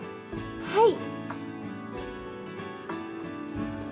はい。